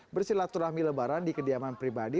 bersilaturahmi lebaran di kediaman pribadi